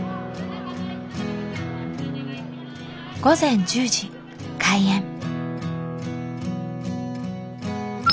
午前１０時開園。